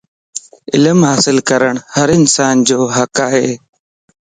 علم حاصل ڪرڻ ھر انسان جو حق ائي